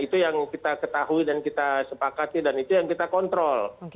itu yang kita ketahui dan kita sepakati dan itu yang kita kontrol